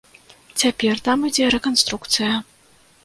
Цяпер там ідзе рэканструкцыя.